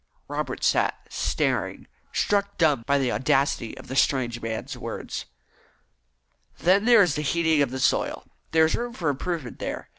Robert sat staring, struck dumb by the audacity of the strange man's words. "Then there is the heating of the soil. There is room for improvement there.